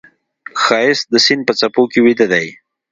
ښایست د سیند په څپو کې ویده دی